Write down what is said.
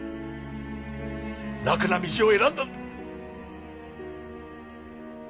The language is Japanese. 楽な道を選んだんだ！